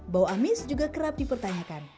bau amis juga kerap dipertanyakan